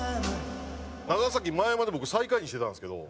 長崎前まで僕最下位にしてたんですけど。